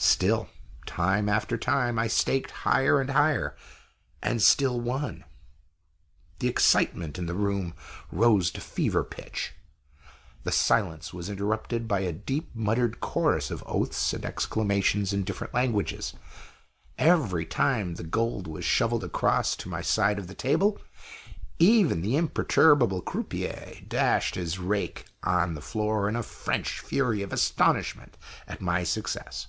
Still, time after time, I staked higher and higher, and still won. The excitement in the room rose to fever pitch. The silence was interrupted by a deep muttered chorus of oaths and exclamations in different languages, every time the gold was shoveled across to my side of the table even the imperturbable croupier dashed his rake on the floor in a (French) fury of astonishment at my success.